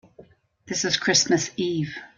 This is Christmas Eve.